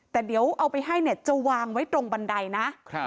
แต่เดี๋ยวเอาไปให้เนี่ยจะวางไว้ตรงบันไดนะ